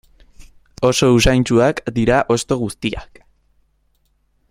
Oso usaintsuak dira hosto guztiak.